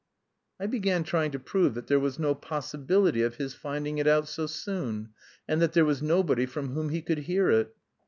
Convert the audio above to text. I began trying to prove that there was no possibility of his finding it out so soon, and that there was nobody from whom he could hear it.